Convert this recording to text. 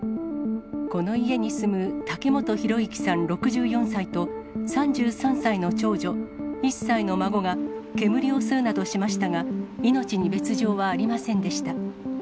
この家に住む滝本裕之さん６４歳と、３３歳の長女、１歳の孫が煙を吸うなどしましたが、命に別状はありませんでした。